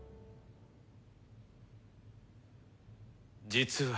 実は。